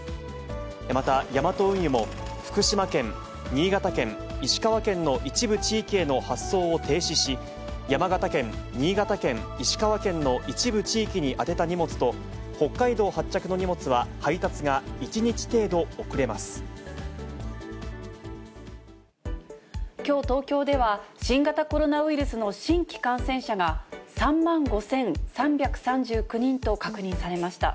また、ヤマト運輸も、福島県、新潟県、石川県の一部地域への発送を停止し、山形県、新潟県、石川県の一部地域に宛てた荷物と、北海道発着の荷物は配達が１日程きょう、東京では新型コロナウイルスの新規感染者が３万５３３９人と確認されました。